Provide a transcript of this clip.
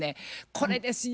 これですよ。